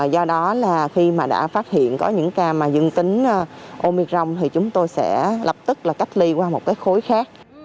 do đó là khi mà đã phát hiện có những ca mà dương tính omicrong thì chúng tôi sẽ lập tức là cách ly qua một cái khối khác